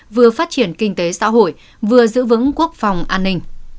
vừa phát triển kinh tế xã hội vừa giữ vững quốc phòng an ninh